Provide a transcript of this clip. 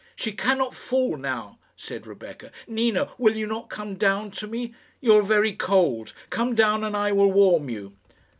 "She cannot fall now," said Rebecca. "Nina, will you not come down to me? You are very cold. Come down, and I will warm you."